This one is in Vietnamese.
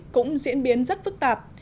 cũng diễn biến rất phức tạp